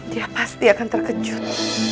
dia pasti akan terkejut